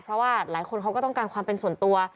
เพราะว่าหลายคนเขาก็ต้องการความเป็นส่วนตัว